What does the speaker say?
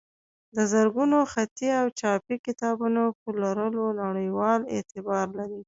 د زرګونو خطي او چاپي کتابونو په لرلو نړیوال اعتبار لري.